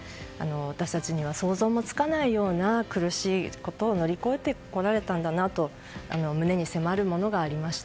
私たちには想像もつかないような苦しいことを乗り越えてこられたんだなと胸に迫るものがありました。